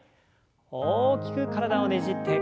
大きく体をねじって。